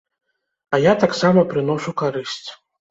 А я таксама прыношу карысць.